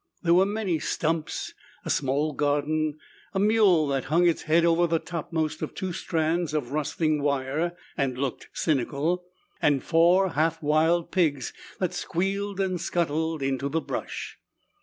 There were many stumps, a small garden, a mule that hung its head over the topmost of two strands of rusting wire and looked cynical, and four half wild pigs that squealed and scuttled into the brush.